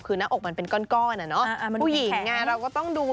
คือหน้าอกมันเป็นก้อนอะเนาะผู้หญิงไงเราก็ต้องดู